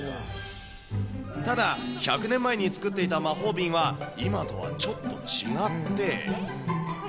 ただ、１００年前に作っていた魔法瓶は、今とはちょっと違って。